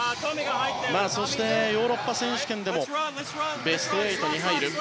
そしてヨーロッパ選手権でもベスト８に入る。